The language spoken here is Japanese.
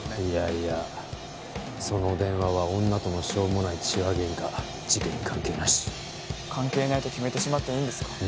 いやいやその電話は女とのしょうもない痴話ゲンカ事件に関係なし関係ないと決めてしまっていいんですか？